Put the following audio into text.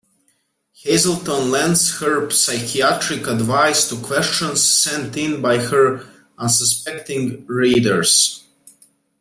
Hazelton lends her psychiatric advice to questions sent in by her unsuspecting "readers".